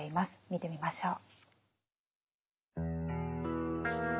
見てみましょう。